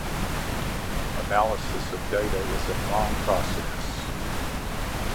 Analysis of data is a long process.